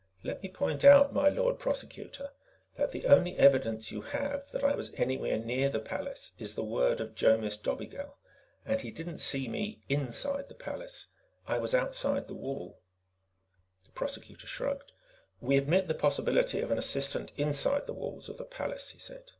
"Let me point out, my Lord Prosecutor, that the only evidence you have that I was anywhere near the palace is the word of Jomis Dobigel. And he didn't see me inside the palace. I was outside the wall." The Prosecutor shrugged. "We admit the possibility of an assistant inside the walls of the palace," he said.